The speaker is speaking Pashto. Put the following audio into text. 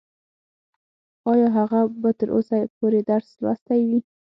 ايا هغه به تر اوسه پورې درس لوستلی وي؟